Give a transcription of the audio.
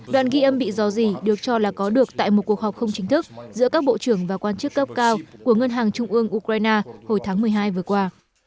đoạn ghi âm bị dò gì được cho là có được tại một cuộc họp không chính thức giữa các bộ trưởng và quan chức cấp cao của ngân hàng trung ương ukraine hồi tháng một mươi hai vừa qua